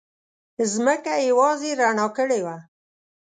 ځمکه یې یوازې رڼا کړې وه.